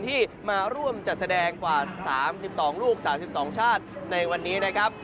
ที่มาร่วมจัดแสดงกว่า๓๒ลูก๓๒ชาติในวันนี้นะครับ